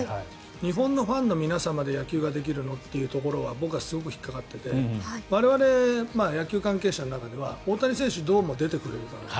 日本のファンの皆様で野球ができるのというところには僕はすごく引っかかってて我々、野球関係者の中では大谷選手どうも出てくれるかなと。